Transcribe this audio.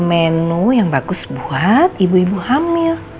menu yang bagus buat ibu ibu hamil